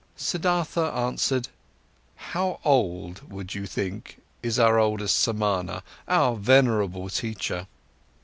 Siddhartha answered: "How old, would you think, is our oldest Samana, our venerable teacher?"